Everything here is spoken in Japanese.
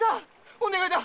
お願いだ